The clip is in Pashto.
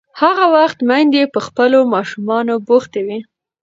هغه وخت میندې په خپلو ماشومانو بوختې وې.